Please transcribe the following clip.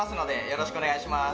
よろしくお願いします